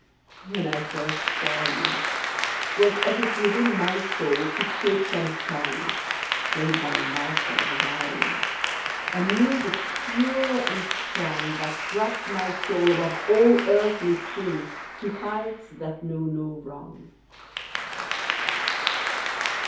When first I saw you, 't was as if within My soul took shape some song Played by a master of the violin A music pure and strong, That rapt my soul above all earthly sin To heights that know no wrong.